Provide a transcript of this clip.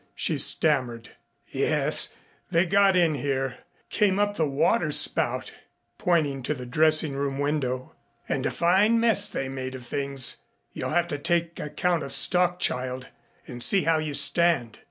she stammered. "Yes, they got in here came up the water spout," pointing to the dressing room window, "and a fine mess they made of things. You'll have to take account of stock, child, and see how you stand."